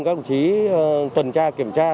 các đồng chí tuần tra kiểm tra